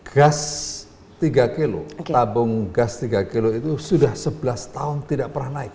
gas tiga kg tabung gas tiga kg itu sudah sebelas tahun tidak pernah naik